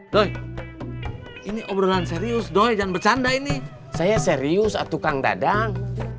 doh ini obrolan serius doy jangan bercanda ini saya serius tukang dadang